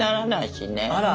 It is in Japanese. あら。